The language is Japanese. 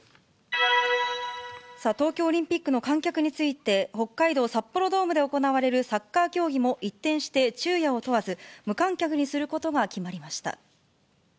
東京オリンピックの観客について、北海道札幌ドームで行われるサッカー競技も、一転して昼夜を問わず無観客にすることが決まりました。